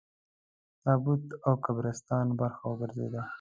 د تابوت او قبرستان برخه وګرځېده.